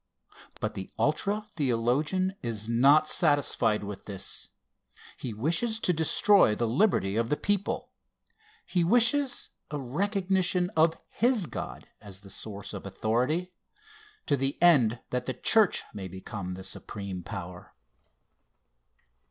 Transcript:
But the ultra theologian is not satisfied with this he wishes to destroy the liberty of the people he wishes a recognition of his God as the source of authority, to the end that the church may become the supreme power.